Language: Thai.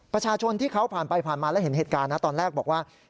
ประชาชนที่เขาผ่านไปผ่านมาแล้วเห็นเหตุการณ์นะตอนแรกบอกว่า